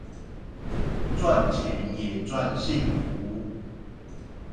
賺錢也賺幸福